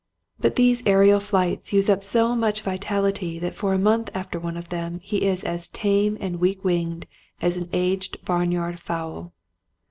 But these aerial flights use up so much vitality that for a month after one of them he is as tame and weak winged as an aged barn yard fowl.